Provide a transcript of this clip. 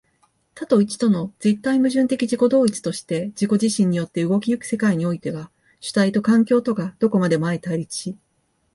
多と一との絶対矛盾的自己同一として自己自身によって動き行く世界においては、主体と環境とがどこまでも相対立し、